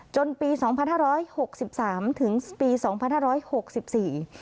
ปีสองพันห้าร้อยหกสิบสามถึงปีสองพันห้าร้อยหกสิบสี่